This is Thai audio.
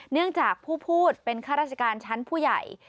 เนื่องจากผู้พูดเป็นข้าราชการชั้นผู้ใหญ่